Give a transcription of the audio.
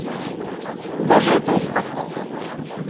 Куда же это он пропал?